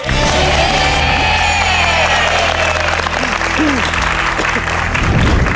เย้